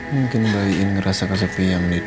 mungkin bayi ini ngerasa kasopi ya menit